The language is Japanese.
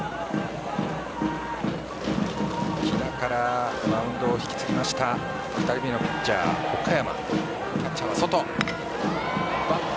木田からマウンドを引き継ぎました２人目のピッチャー・岡山。